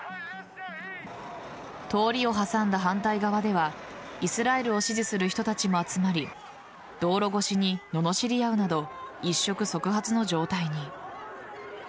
通りを挟んだ反対側ではイスラエルを支持する人たちも集まり道路越しにののしり合うなど一触即発の状態に。